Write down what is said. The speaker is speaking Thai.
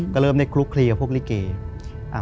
ก็เริ่มได้คลุกคลีกับพวกลิเก